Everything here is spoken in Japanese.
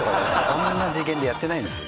そんな次元でやってないんですよ。